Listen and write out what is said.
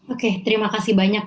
oke terima kasih banyak